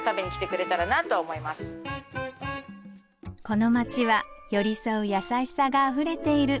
この街は寄り添う優しさがあふれている